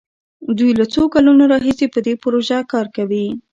دوی له څو کلونو راهيسې په دې پروژه کار کوي.